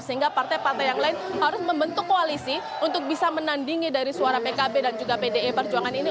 sehingga partai partai yang lain harus membentuk koalisi untuk bisa menandingi dari suara pkb dan juga pdi perjuangan ini